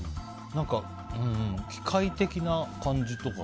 機械的な感じとか？